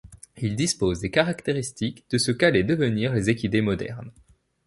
Ils disposent des caractéristiques de ce qu'allaient devenir les Équidés modernes.